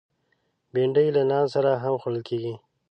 بېنډۍ له نان سره هم خوړل کېږي